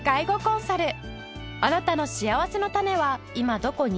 あなたのしあわせのたねは今どこに？